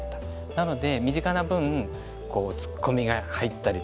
なので、身近な分突っ込みが入ったりとか。